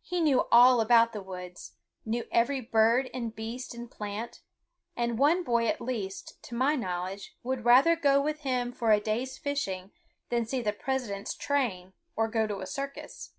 He knew all about the woods, knew every bird and beast and plant, and one boy at least, to my knowledge, would rather go with him for a day's fishing than see the president's train or go to a circus.